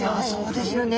そうですよね。